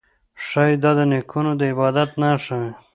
ښايي دا د نیکونو د عبادت نښه وي